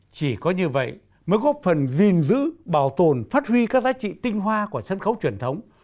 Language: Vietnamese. chỉ có như vậy mới góp phần gìn giữ bảo tồn phát huy các giá trị tinh hoa của sân khấu truyền thống